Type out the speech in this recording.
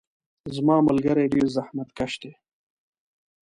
زما ملګري ډیر زحمت کش دي.